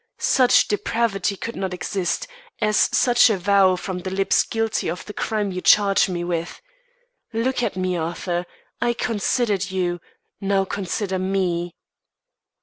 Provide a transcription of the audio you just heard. Such depravity could not exist, as such a vow from the lips guilty of the crime you charge me with. Look at me, Arthur. I considered you now consider me."